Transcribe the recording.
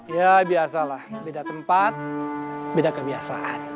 ya biasa lah beda tempat beda kebiasaan